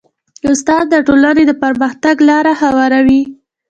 استاد د ټولنې د پرمختګ لاره هواروي.